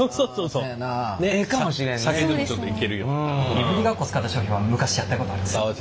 いぶりがっこ使った商品は昔やったことあります。